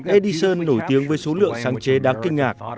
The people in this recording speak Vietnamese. edison nổi tiếng với số lượng sáng chế đáng kinh ngạc